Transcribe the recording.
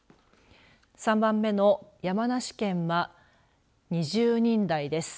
３番目の山梨県は２０人台です。